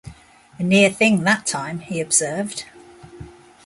"A near thing that time," he observed.